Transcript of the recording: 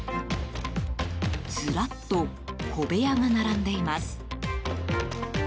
ずらっと小部屋が並んでいます。